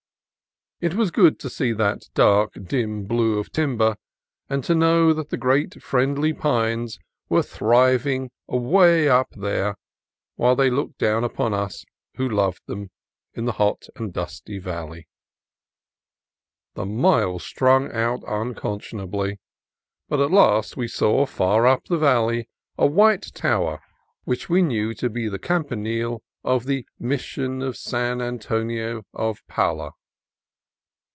It was good to see that dark, dim blue of timber, and to know that the great friendly pines were thriving away up there, while they looked down on us who loved them, in the hot and dusty valley. The miles strung out unconscionably, but at last we saw, far up the valley, a low white tower which 34 CALIFORNIA COAST TRAILS we knew to be the campanile of the Mission of San Antonio of Pala.